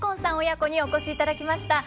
親子にお越しいただきました。